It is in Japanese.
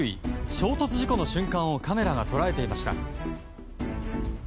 衝突事故の瞬間をカメラが捉えていました。